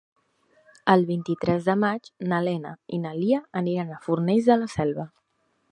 El vint-i-tres de maig na Lena i na Lia aniran a Fornells de la Selva.